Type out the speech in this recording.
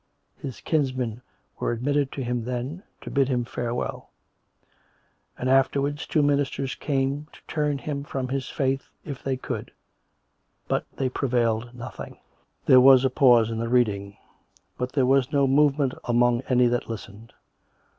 His kinsmen were admitted to him then, to bid him farewell; and afterwards two ministers came to turn him from his faith if they could; but they prevailed nothing.'" There was a pause in the reading; but there was no movement among any that listened.